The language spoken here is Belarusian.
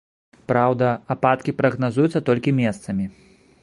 Праўда, ападкі прагназуюцца толькі месцамі.